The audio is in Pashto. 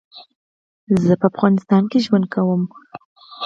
زه په افغانستان کي ژوند کوم